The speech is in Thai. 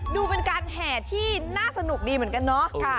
ดูเป็นการแห่ที่น่าสนุกดีเหมือนกันเนาะ